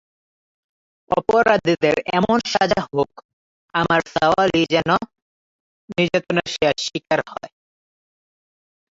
অপরাধীদের এমন সাজা হোক, আমার ছাওয়ালই যেন নির্যাতনের শেষ শিকার হয়।